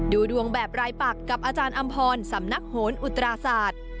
ดูดวงแบบรายปักกับอาจารย์อำพรสำนักโหนอุตราศาสตร์